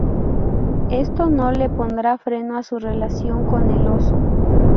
Esto no le pondrá freno a su relación con El Oso.